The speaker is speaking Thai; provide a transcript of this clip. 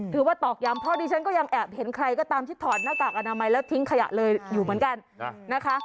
ตอกย้ำเพราะดิฉันก็ยังแอบเห็นใครก็ตามที่ถอดหน้ากากอนามัยแล้วทิ้งขยะเลยอยู่เหมือนกันนะคะ